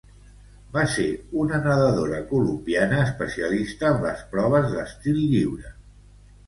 Va ser una nadadora colombiana especialista en les proves d'estil lliure.